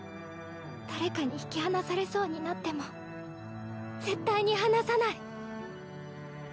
誰かに引き離されそうになっても絶対に離さない。